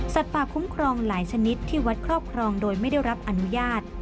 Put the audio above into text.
ป่าคุ้มครองหลายชนิดที่วัดครอบครองโดยไม่ได้รับอนุญาต